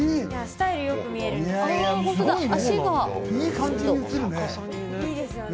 スタイルよく見えるんですよ。